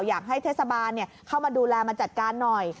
อยากให้เทศบาลเข้ามาดูแลมาจัดการหน่อย